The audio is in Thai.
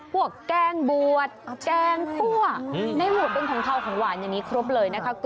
แกงบวชแกงคั่วในหมวกเป็นของเทาของหวานอย่างนี้ครบเลยนะคะ